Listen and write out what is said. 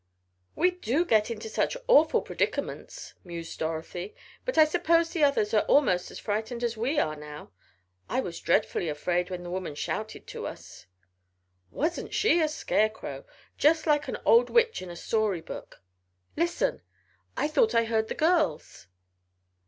"We do get into such awful predicaments," mused Dorothy. "But I suppose the others are almost as frightened as we are now, I was dreadfully afraid when the woman shouted to us." "Wasn't she a scarecrow? Just like an old witch in a story book. Listen! I thought I heard the girls!"